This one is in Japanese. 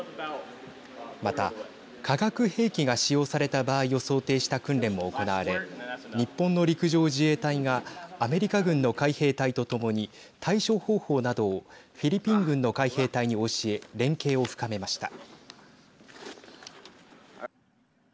また、化学兵器が使用された場合を想定した訓練も行われ日本の陸上自衛隊がアメリカ軍の海兵隊と共に対処方法などをフィリピン軍の海兵隊に教え連携を深めました。